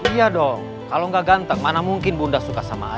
iya dong kalau nggak ganteng mana mungkin bunda suka sama ayah